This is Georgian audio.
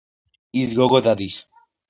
ის გოგო დადის.